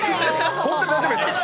本当に大丈夫ですか？